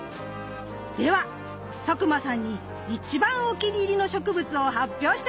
では佐久間さんに一番お気に入りの植物を発表してもらいましょう！